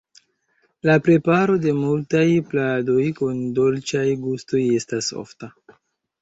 La preparo de multaj pladoj kun dolĉaj gustoj estas ofta.